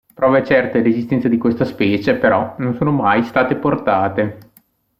Prove certe dell'esistenza di questa specie, però, non sono mai state portate.